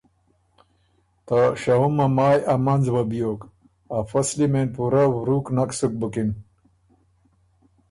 ته شهُمه مایٛ ا منځ وه بیوک، ا فصلی مېن پُورۀ ورُوک نک سُک بُکِن